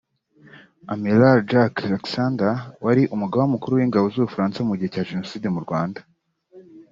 Amiral Jacques Lanxade wari umugaba mukuru w’ingabo z’Ubufaransa mu gihe cya Jenoside mu Rwanda